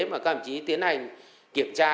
mà các ẩm trí tiến hành kiểm tra